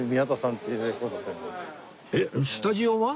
えっスタジオは？